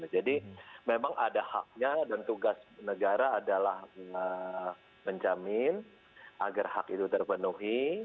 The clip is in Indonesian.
jadi memang ada haknya dan tugas negara adalah menjamin agar hak itu terpenuhi